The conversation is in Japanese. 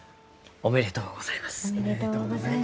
おめでとうございます。